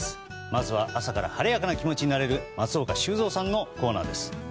まずは朝から晴れやかな気持ちになれる松岡修造さんのコーナー。